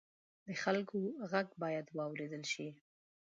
د خلکو غږ باید واورېدل شي.